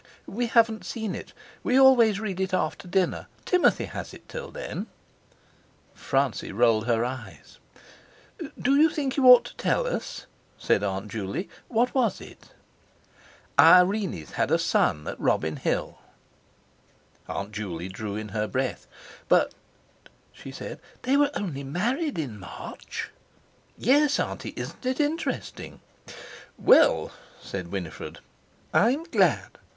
"We haven't seen it, we always read it after dinner; Timothy has it till then." Francie rolled her eyes. "Do you think you ought to tell us?" said Aunt Juley. "What was it?" "Irene's had a son at Robin Hill." Aunt Juley drew in her breath. "But," she said, "they were only married in March!" "Yes, Auntie; isn't it interesting?" "Well," said Winifred, "I'm glad.